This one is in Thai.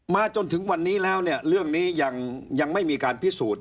จนถึงวันนี้แล้วเนี่ยเรื่องนี้ยังไม่มีการพิสูจน์